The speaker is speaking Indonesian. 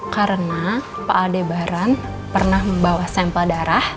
karena pak aldebaran pernah membawa sampel darah